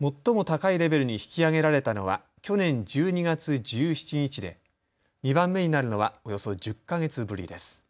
最も高いレベルに引き上げられたのは去年１２月１７日で２番目になるのはおよそ１０か月ぶりです。